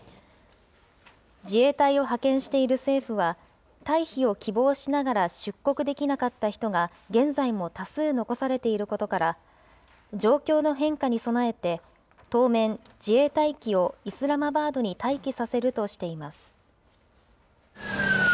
自衛隊を派遣している政府は、退避を希望しながら、出国できなかった人が、現在も多数残されていることから、状況の変化に備えて、当面、自衛隊機をイスラマバードに待機させるとしています。